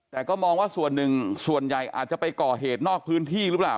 แต่ก็มองว่าส่วนหนึ่งส่วนใหญ่อาจจะไปก่อเหตุนอกพื้นที่หรือเปล่า